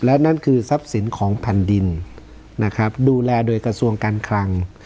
และนั่นคือทรัพย์สินของแผ่นดินนะครับดูแลโดยกระทรวงการคลัง